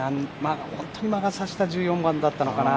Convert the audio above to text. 本当に魔が差した１４番だったのかな。